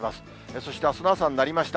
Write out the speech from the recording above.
そしてあすの朝になりました。